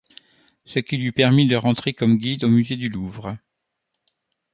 Ce qui lui permit de rentrer comme guide au musée du Louvre.